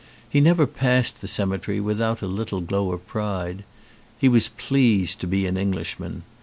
He never passed the ceme tery without a little glow of pride. He was pleased to be an Englishman.